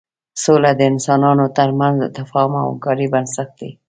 سوله د انسانانو تر منځ د تفاهم او همکاریو بنسټ دی.